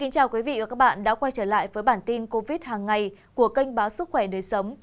chào các bạn đã quay trở lại với bản tin covid hàng ngày của kênh báo sức khỏe nơi sống